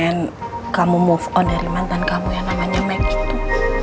and kamu move on dari mantan kamu yang namanya mag itu